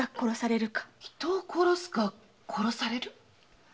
人を殺すか殺される？